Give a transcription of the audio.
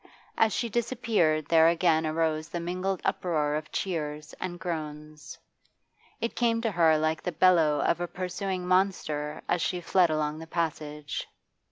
As she disappeared there again arose the mingled uproar of cheers and groans; it came to her like the bellow of a pursuing monster as she fled along the passage.